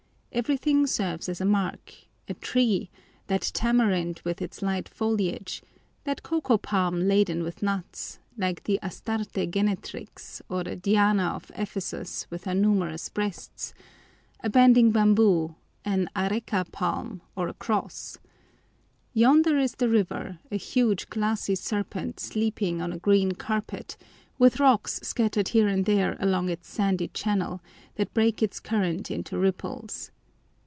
Everything serves as a mark: a tree, that tamarind with its light foliage, that coco palm laden with nuts, like the Astarte Genetrix, or the Diana of Ephesus with her numerous breasts, a bending bamboo, an areca palm, or a cross. Yonder is the river, a huge glassy serpent sleeping on a green carpet, with rocks, scattered here and there along its sandy channel, that break its current into ripples.